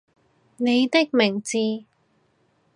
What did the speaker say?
你的名字